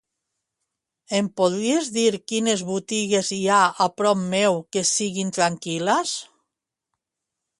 Em podries dir quines botigues hi ha a prop meu que siguin tranquil·les?